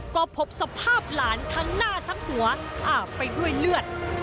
ก็พบสภาพหลานทั้งหน้าทั้งหัวอาบไปด้วยเลือด